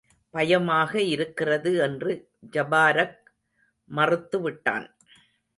பயமாக இருக்கிறது என்று ஜபாரக் மறுத்துவிட்டான்.